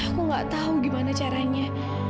aku nggak tahu gimana caranya